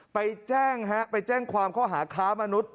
ไปแจ้งความความข้าวหามนุษย์